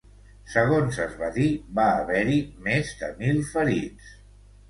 Segons es va dir, va haver-hi més de mil ferits.